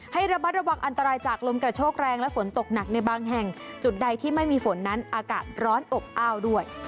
ให้ระมัดระวังอันตรายจากลมกระโชกแรงและฝนตกหนักในบางแห่งจุดใดที่ไม่มีฝนนั้นอากาศร้อนอบอ้าวด้วย